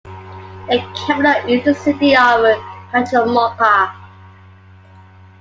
The capital is the city of Cajamarca.